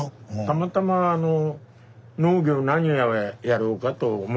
たまたまあの農業何をやろうかと思いましてね